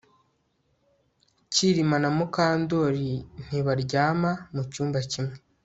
Kirima na Mukandoli ntibaryama mucyumba kimwe